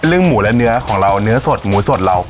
ลูกหมูและเนื้อของเราเนื้อสดหมูสดเรา